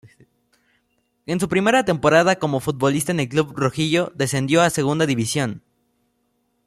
En su primera temporada como futbolista con el club rojillo, descendió a segunda división.